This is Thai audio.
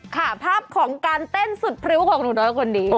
ภาพของการเต้นสุดพริ้วของหนูน้อยคนนี้